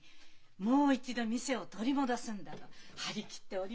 「もう一度店を取り戻すんだ」と張り切っております。